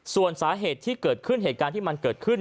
ส่วนสาเหตุที่เกิดขึ้นเหตุการณ์ที่มันเกิดขึ้น